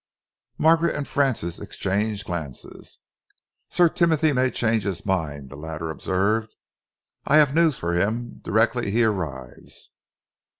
Margaret and Francis exchanged glances. "Sir Timothy may change his mind," the latter observed. "I have news for him directly he arrives."